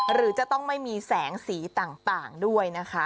หรือจะต้องไม่มีแสงสีต่างด้วยนะคะ